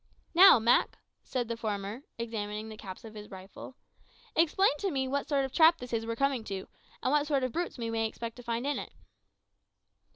"Now, Mak," said the former, examining the caps of his rifle, "explain to me what sort of trap this is that we're coming to, and what sort of brutes we may expect to find in it."